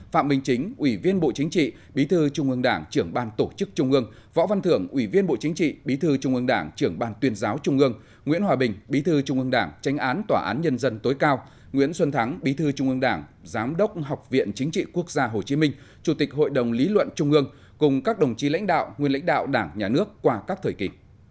phạm bình chính ủy viên bộ chính trị bí thư trung ương đảng trưởng ban tổ chức trung ương võ văn thưởng ủy viên bộ chính trị bí thư trung ương đảng trưởng ban tuyên giáo trung ương nguyễn hòa bình bí thư trung ương đảng tránh án tòa án nhân dân tối cao nguyễn xuân thắng bí thư trung ương đảng giám đốc học viện chính trị quốc gia hồ chí minh chủ tịch hội đồng lý luận trung ương cùng các đồng chí lãnh đạo nguyên lãnh đạo đảng nhà nước qua các thời kỳ